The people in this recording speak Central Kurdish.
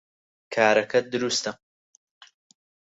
کارەکەت دروستە